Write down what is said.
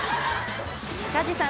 塚地さん